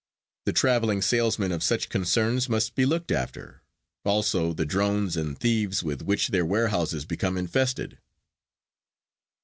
The traveling salesman of such concerns must be looked after, also the drones and thieves with which their warehouses become infested.